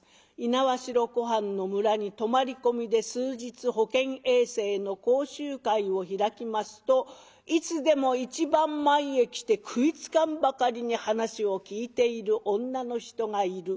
猪苗代湖畔の村に泊まり込みで数日保健衛生の講習会を開きますといつでも一番前へ来て食いつかんばかりに話を聞いている女の人がいる。